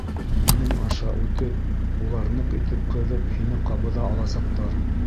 Минең аша үтеп, улар ныҡ итеп ҡыҙып, һине ҡабыҙа аласаҡтар.